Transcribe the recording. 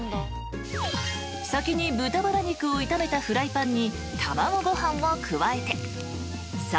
［先に豚バラ肉を炒めたフライパンに卵ご飯を加えて菜箸でひとかき］